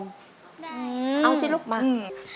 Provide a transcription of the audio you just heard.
ได้เอาสิลูกมาอืม